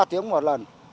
ba tiếng một lần